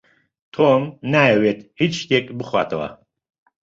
تۆم نایەوێت هێچ شتێک بخواتەوە.